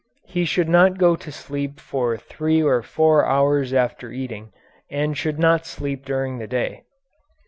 He should not go to sleep for three or four hours after eating and should not sleep during the day.